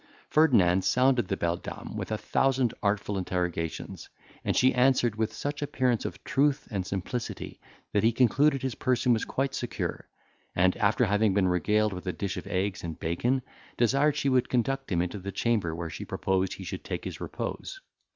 Ferdinand sounded the beldame with a thousand artful interrogations, and she answered with such appearance of truth and simplicity, that he concluded his person was quite secure; and, after having been regaled with a dish of eggs and bacon, desired she would conduct him into the chamber where she proposed he should take his repose.